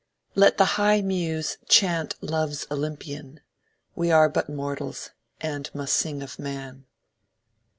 Let the high Muse chant loves Olympian: We are but mortals, and must sing of man.